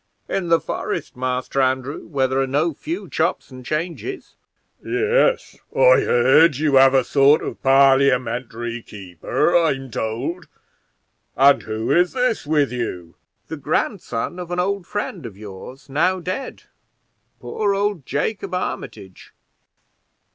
"In the forest, Master Andrew, where there are no few chops and changes." "Yes, you have a sort of Parliamentary keeper, I'm told; and who is this with you?" "The grandson of an old friend of yours, now dead, poor old Jacob Armitage."